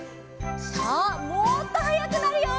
さあもっとはやくなるよ。